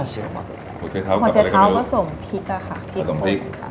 โหชะเท้ากระสงค์พริก